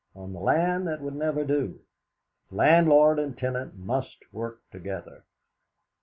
On the land that would never do. Landlord and tenant must work together.